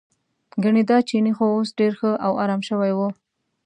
ګنې دا چینی خو اوس ډېر ښه او ارام شوی و.